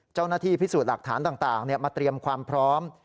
เจ้าหน้าที่พิสูจน์หลักฐานต่างมาเตรียมความพร้อม